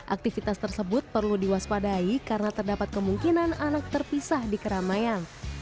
aktivitas tersebut perlu diwaspadai karena terdapat kemungkinan anak terpisah di keramaian